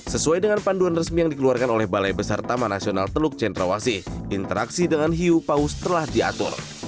sesuai dengan panduan resmi yang dikeluarkan oleh balai besar taman nasional teluk centrawasih interaksi dengan hiu paus telah diatur